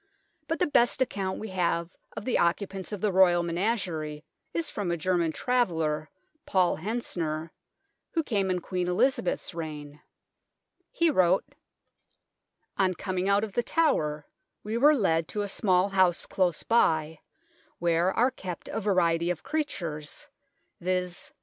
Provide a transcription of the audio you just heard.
But the best account we have of the occupants of the Royal menagerie is from a German travel ler, Paul Hentzner, who came in Queen Eliza beth's reign. He wrote : g ~ r *i # M o ENTRANCE TOWERS 153 On coining out of The Tower we were led to a small house close by, where are kept a variety of creatures viz.